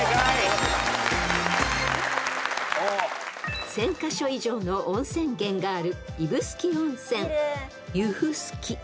［１，０００カ所以上の温泉源がある］